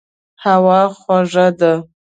هوا خوږه ده.